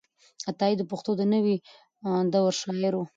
عطايي د پښتو د نوې دور شاعر و.